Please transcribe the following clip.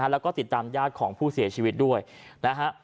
แล้วก็ติดตามญาติของผู้เสียชีวิตด้วยนะฮะ